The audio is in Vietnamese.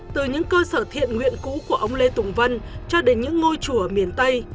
từ những cơ sở thiện nguyện cũ của ông lê tùng vân cho đến những ngôi chùa miền tây